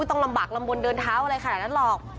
ต้องลำบากลำบลเดินเท้าอะไรขนาดนั้นหรอก